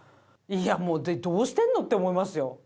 いや、もう、どうしてるのって思いますよ。